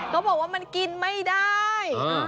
เขาบอกว่ามันกินไม่ได้